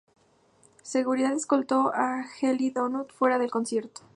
Seguridad escoltó a Jelly Donut fuera del concierto.